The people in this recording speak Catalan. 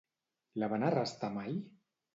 La van arrestar mai?